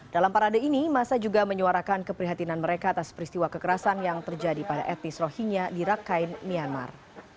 dalam parade ini masa juga menyuarakan keprihatinan mereka atas peristiwa kekerasan yang terjadi pada etnis rohingya di rakkain myanmar